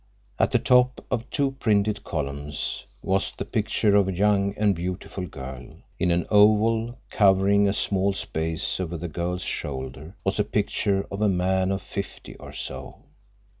At the top of two printed columns was the picture of a young and beautiful girl; in an oval, covering a small space over the girl's shoulder, was a picture of a man of fifty or so.